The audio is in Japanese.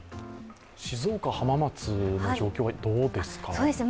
静岡・浜松の状況はどうですか？